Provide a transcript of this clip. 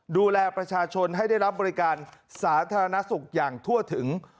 ดูแลประชาชนให้ได้รับบริการสาธารณสุขอย่างทั่วถึง